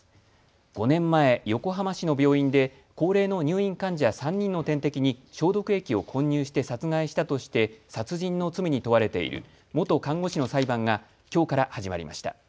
５年前、横浜市の病院で高齢の入院患者３人の点滴に消毒液を混入して殺害したとして殺人の罪に問われている元看護師の裁判がきょうから始まりました。